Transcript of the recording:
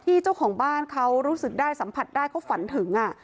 เจ้าของบ้านเขารู้สึกได้สัมผัสได้เขาฝันถึง